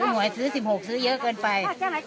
หวยซื้อ๑๖ซื้อเยอะเกินไป